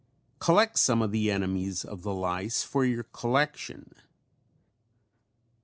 Collect some of the enemies of the lice for your collection.